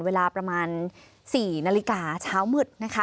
เวลาประมาณสี่นาฬิกาเช้าหมึด